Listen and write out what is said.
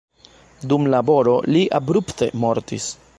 Dum laboro li abrupte mortis.